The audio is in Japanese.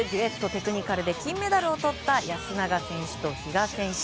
テクニカルで金メダルをとった安永選手と比嘉選手。